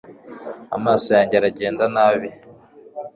amaso yanjye aragenda nabi